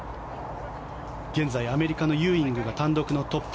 現在アメリカのユーイングが単独のトップ。